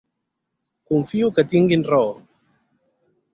Confio que tinguin raó.